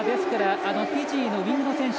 フィジーのウイングの選手